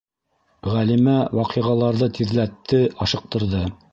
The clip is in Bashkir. Ғәлимә ваҡиғаларҙы тиҙләтте, ашыҡтырҙы.